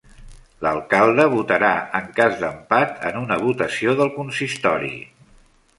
L'alcalde votarà en cas d'empat en una votació del consistori.